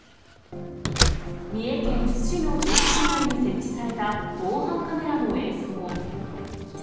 三重県津市の住宅街に設置された防犯カメラの映像。